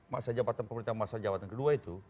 masa jabatan pemerintahan masa jawatan ke dua itu